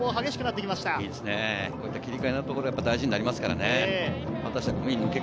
いいですね、切り替えのところが大事になってきますからね。